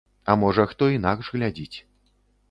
А можа, хто інакш глядзіць.